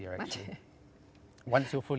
berapa lama mereka lakukan